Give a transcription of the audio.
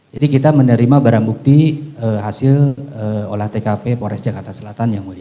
jadi kita menerima barang bukti hasil oleh tkp polres jakarta selatan yang mulia